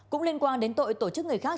cũng liên quan đến tội tổ chức người khác